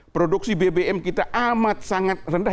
produksi bbm kita amat sangat rendah